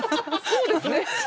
「そうですね」。